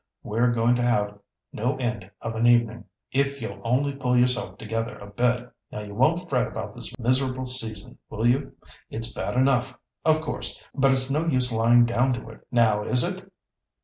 We're going to have no end of an evening, if you'll only pull yourself together a bit. Now you won't fret about this miserable season, will you? It's bad enough, of course, but it's no use lying down to it—now, is it?"